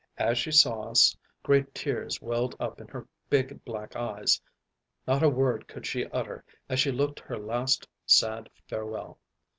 As she saw us, great tears welled up in her big black eyes; not a word could she utter as she looked her last sad farewell.